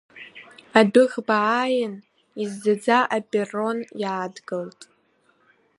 Адәыӷба ааин, иззаӡа аперрон иаадгылт.